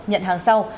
nhận hàng sau